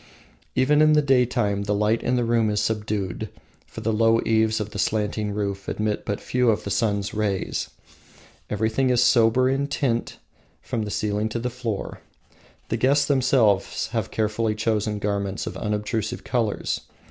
Even in the daytime the light in the room is subdued, for the low eaves of the slanting roof admit but few of the sun's rays. Everything is sober in tint from the ceiling to the floor; the guests themselves have carefully chosen garments of unobtrusive colors.